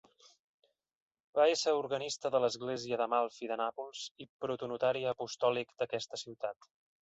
Va ésser organista de l'església d'Amalfi de Nàpols i protonotari apostòlic d'aquesta ciutat.